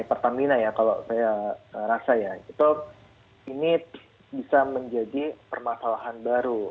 pertamina ya kalau saya rasa ya itu ini bisa menjadi permasalahan baru